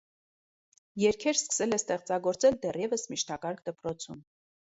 Երգեր սկսել է ստեղծագործել դեռևս միջնակարգ դպրոցում։